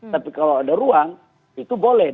tapi kalau ada ruang itu boleh